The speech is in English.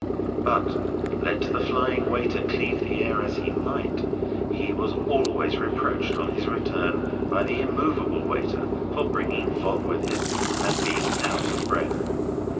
But let the flying waiter cleave the air as he might, he was always reproached on his return by the immovable waiter for bringing fog with him, and being out of breath.